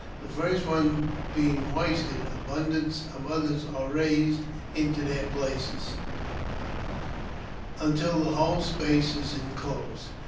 The first one being hoisted, abundance of others are raised into their places, until the whole space is en closed.